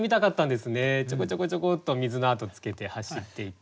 ちょこちょこちょこっと水の跡つけて走っていて。